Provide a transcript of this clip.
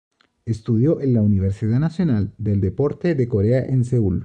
Estudió en la Universidad Nacional del Deporte de Corea en Seúl.